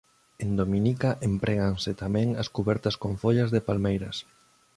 En Dominica empréganse tamén as cubertas con follas de palmeiras.